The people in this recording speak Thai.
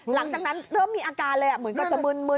หลังจากนั้นเริ่มมีอาการเลยเหมือนกับจะมึน